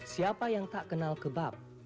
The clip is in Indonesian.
siapa yang tak kenal kebab